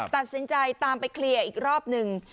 ตัดสินใจตามไปเคลียร์อีกรอบหนึ่ง